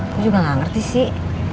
aku juga gak ngerti sih